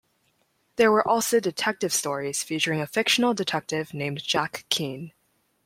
There were also detective stories featuring a fictional detective named Jack Keen.